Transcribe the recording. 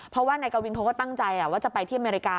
เพราะว่านายกวินเขาก็ตั้งใจว่าจะไปที่อเมริกา